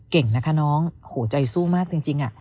เก่งนะคะน้องโหใจสู้มากจริง